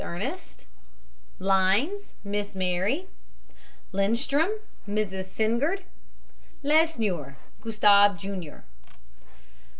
ERNEST. LINES, MISS MARY. LINDSTROM, MRS. SINGIRD. LESNEUR, GUSTAVE, JR.